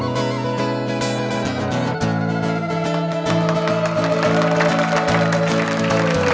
โอ้โหเห็นได้เยอะมากเลย